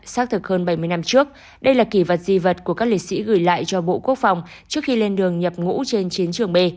xác thực hơn bảy mươi năm trước đây là kỳ vật di vật của các liệt sĩ gửi lại cho bộ quốc phòng trước khi lên đường nhập ngũ trên chiến trường b